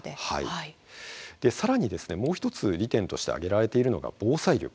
さらに、もう１つ利点として挙げられているのが防災力。